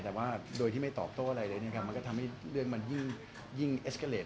แต่ว่าโดยที่ไม่ตอบโต้อะไรเลยมันก็ทำให้เรื่องมันยิ่งเอสเกอร์เลส